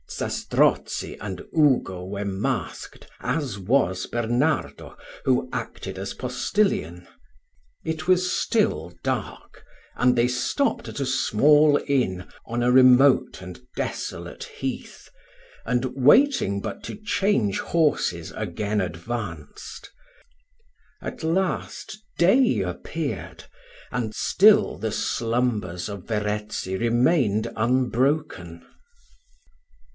Zastrozzi and Ugo were masked, as was Bernardo, who acted as postilion. It was still dark, when they stopped at a small inn, on a remote and desolate heath; and waiting but to change horses, again advanced. At last day appeared still the slumbers of Verezzi remained unbroken.